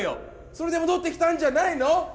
それで戻ってきたんじゃないの？